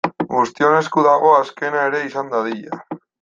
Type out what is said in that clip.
Guztion esku dago azkena ere izan dadila.